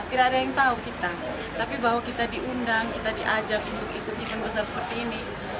tidak ada yang tahu kita tapi bahwa kita diundang kita diajak untuk ikut event besar seperti ini